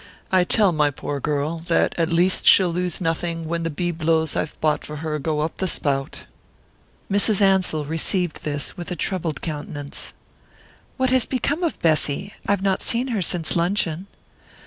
I tell my poor girl that at least she'll lose nothing when the bibelots I've bought for her go up the spout." Mrs. Ansell received this with a troubled countenance. "What has become of Bessy? I've not seen her since luncheon."